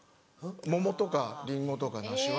桃とかリンゴとか梨は。